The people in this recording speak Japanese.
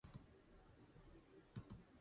河北省の省都は石家荘である